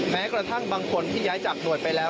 แม้กระทั่งบางคนที่ย้ายจากหน่วยไปแล้ว